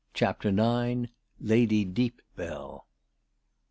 CHAPTER IX. LADY DEEPBELL.